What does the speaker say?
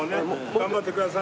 頑張ってください。